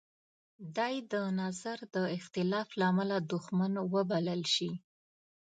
دی د نظر د اختلاف لامله دوښمن وبلل شي.